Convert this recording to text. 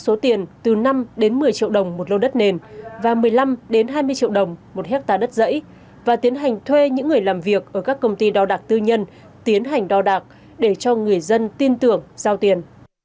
số tiền từ năm đến một mươi triệu đồng một lô đất nền và một mươi năm hai mươi triệu đồng một hectare đất dãy và tiến hành thuê những người làm việc ở các công ty đo đạc tư nhân tiến hành đo đạc để cho người dân tin tưởng giao tiền